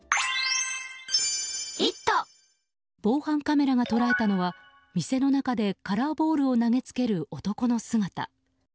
防犯カメラが捉えたのは店の中でカラーボールを投げつける男の姿。